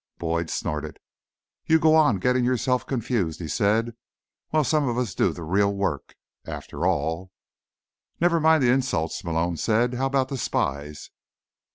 Boyd snorted. "You go on getting yourself confused," he said, "while some of us do the real work. After all—" "Never mind the insults," Malone said. "How about the spies?"